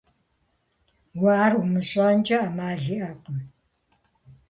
Уэ ар умыщӀэнкӀэ Ӏэмал иӀакъым.